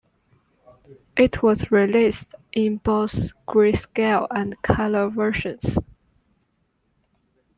It was released in both greyscale and color versions.